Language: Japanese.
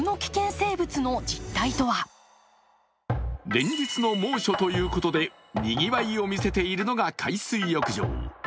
連日の猛暑ということでにぎわいを見せているのが海水浴場。